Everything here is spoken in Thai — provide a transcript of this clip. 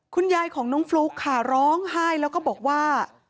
คุณยายของน้องฟลุ๊กค่ะร้องไห้แล้วก็บอกว่า